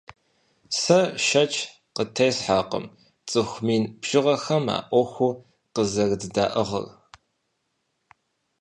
Сэ шэч къытесхьэркъым цӀыху мин бжыгъэхэм а Ӏуэхур къызэрыддаӀыгъыр.